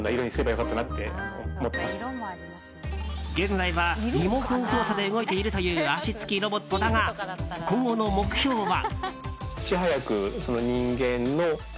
現在はリモコン操作で動いているという脚付きロボットだが今後の目標は。